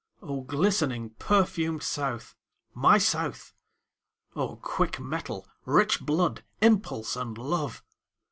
O glistening, perfumed South! My South!O quick mettle, rich blood, impulse, and love!